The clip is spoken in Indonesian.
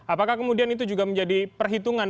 apakah kemudian itu juga menjadi perhitungan